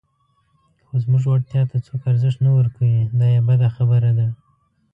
خو زموږ وړتیا ته څوک ارزښت نه ورکوي، دا یې بده خبره ده.